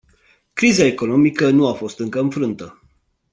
Criza economică nu a fost încă înfrântă.